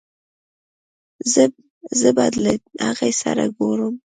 زه به له هغې سره ګورم